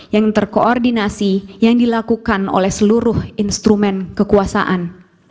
yang terkoordinasi yang dilakukan oleh seluruh instrumen kekuasaan